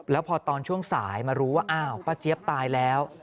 แล้วพอตอนช่วงสายมารู้ว่าอ้าวป้าเจี๊ยบตายแล้ว